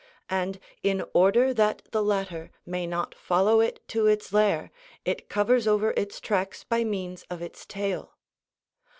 And in order that the latter may not follow it to its lair it covers over its tracks by means of its tail.